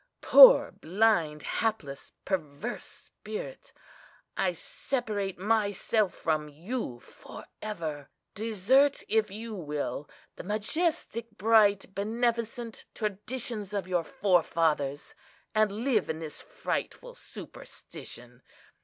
Poor, blind, hapless, perverse spirit—I separate myself from you for ever! Desert, if you will, the majestic, bright, beneficent traditions of your forefathers, and live in this frightful superstition!